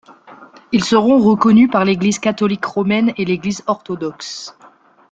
Ils seront reconnus par l'Église catholique romaine et l'Église orthodoxe.